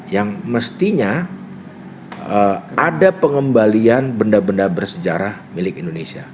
yang mestinya ada pengembalian benda benda bersejarah milik indonesia